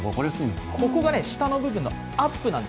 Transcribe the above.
ここが下の部分のアップなんです。